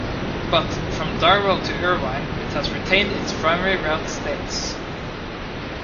But, from Darvel to Irvine, it has retained its primary route status.